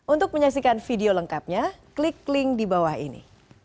untuk menyaksikan video lengkapnya klik link di bawah ini